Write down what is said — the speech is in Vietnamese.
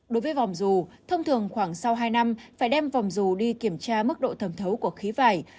đối với vòng dù thông thường khoảng sau hai năm phải đem vòng rù đi kiểm tra mức độ thẩm thấu của khí vải